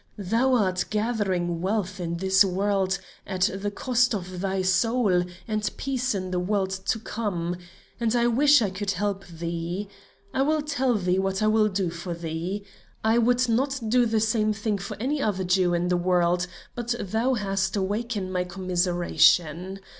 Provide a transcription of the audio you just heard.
Thou art gathering wealth in this world at the cost of thy soul and peace in the world to come; and I wish I could help thee. I will tell thee what I will do for thee. I would not do the same thing for any other Jew in the world, but thou hast awakened my commiseration.